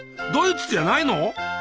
ドイツじゃないの？